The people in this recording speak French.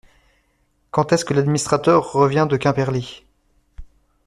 Quand est-ce que l’administrateur revient de Quimperlé ?